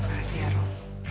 makasih ya rum